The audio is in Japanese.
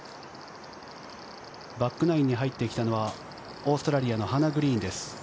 バックナインに入ってきたのはオーストラリアのハナ・グリーンです。